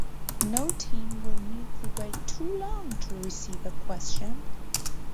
No team will need to wait too long to receive a question.